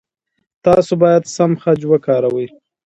تاسو باید سم خج وکاروئ.